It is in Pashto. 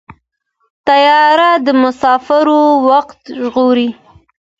طیاره د مسافرو وخت ژغوري.